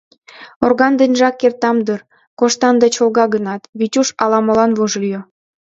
— Орган денжак кертам дыр... — коштан да чолга гынат, Витюш ала-молан вожыльо.